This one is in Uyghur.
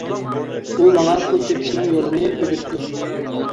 ئۇ ماڭا پۇل تېپىشنىڭ يولىنى ئۆگىتىدۇ.